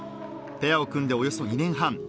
ペアを組んでおよそ２年半。